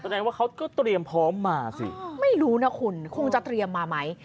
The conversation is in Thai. แสดงว่าเขาก็เตรียมพร้อมมาสิไม่รู้นะคุณคงจะเตรียมมาไหม